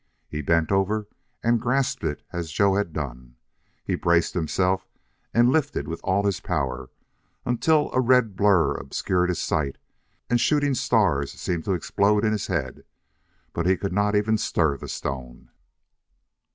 He bent over and grasped it as Joe had done. He braced himself and lifted with all his power, until a red blur obscured his sight and shooting stars seemed to explode in his head. But he could not even stir the stone.